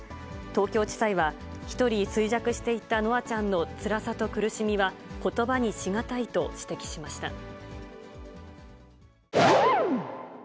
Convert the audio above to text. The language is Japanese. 東京地裁は、一人衰弱していった稀華ちゃんのつらさと苦しみはことばにし難いと指摘しました。